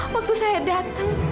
waktu saya datang